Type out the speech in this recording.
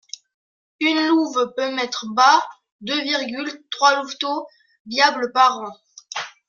Une louve peut mettre bas deux virgule trois louveteaux viables par an.